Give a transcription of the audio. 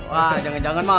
wah jangan jangan mak